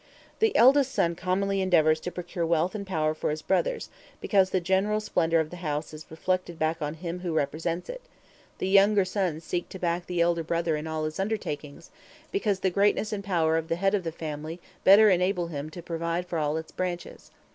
The eldest son commonly endeavors to procure wealth and power for his brothers, because the general splendor of the house is reflected back on him who represents it; the younger sons seek to back the elder brother in all his undertakings, because the greatness and power of the head of the family better enable him to provide for all its branches.